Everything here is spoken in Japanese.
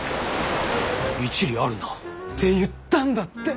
一理あるな。って言ったんだって。